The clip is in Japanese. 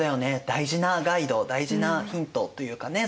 大事なガイド大事なヒントというかね。